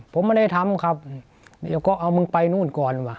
ผมไม่ได้ทำครับเดี๋ยวก็เอามึงไปนู่นก่อนว่ะ